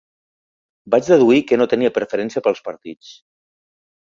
Vaig deduir que no tenia preferència pels partits.